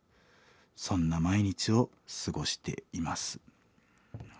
そんな毎日を過ごしています」。